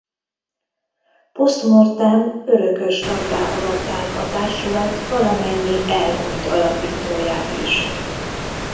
Post mortem örökös taggá avatták a társulat valamennyi elhunyt alapítóját is.